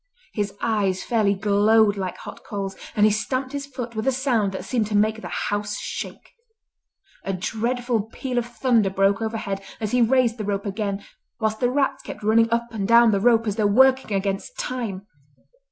His eyes fairly glowed like hot coals, and he stamped his foot with a sound that seemed to make the house shake. A dreadful peal of thunder broke overhead as he raised the rope again, whilst the rats kept running up and down the rope as though working against time.